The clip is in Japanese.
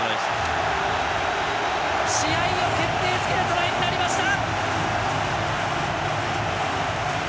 試合を決定付けるトライになりました！